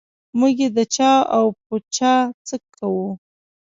موږ یې د چا او په چا څه کوو.